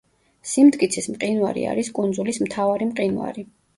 სიმტკიცის მყინვარი არის კუნძულის მთავარი მყინვარი.